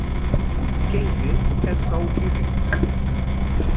Quem vê é só o que vê